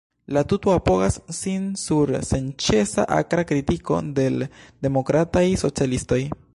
La tuto apogas sin sur senĉesa akra kritiko de l‘ demokrataj socialistoj.